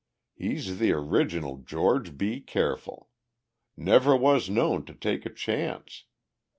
He's the original George B. Careful. Never was known to take a chance.